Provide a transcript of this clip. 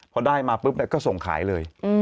พอได้มาปุ๊บก็ส่งขายเลย